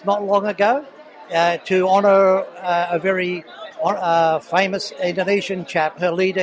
untuk mengucapkan hormat kepada seorang orang indonesia yang sangat terkenal